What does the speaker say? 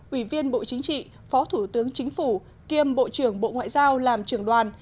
ủy viên bộ chính trị phó thủ tướng chính phủ kiêm bộ trưởng bộ ngoại giao làm trưởng đoàn